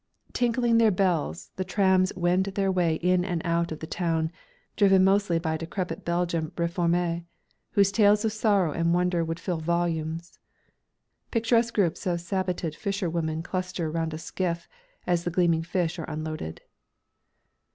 Tinkling their bells, the trams wend their way in and out of the town, driven mostly by decrepit Belgian réformés whose tales of sorrow and wonder would fill volumes. Picturesque groups of saboted fisherwomen cluster round a skiff as the gleaming fish are unloaded.